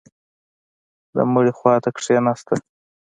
د مړي خوا ته کښېناسته.